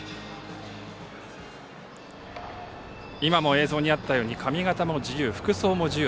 今も映像にあったように髪形も自由、服装も自由。